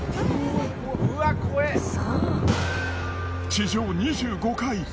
地上２５階。